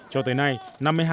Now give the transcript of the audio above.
cho tới nay